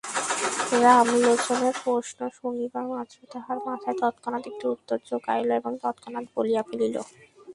রামলোচনের প্রশ্ন শুনিবামাত্র তাহার মাথায় তৎক্ষণাৎ একটা উত্তর জোগাইল এবং তৎক্ষণাৎ বলিয়া ফেলিল।